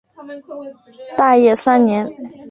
大业三年。